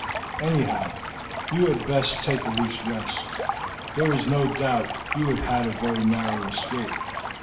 Anyhow, you had best take a week's rest; there is no doubt you have had a very narrow escape.